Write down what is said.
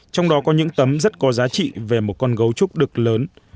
trong đó có những tấm rất có giá trị về một con gấu trúc đực lớn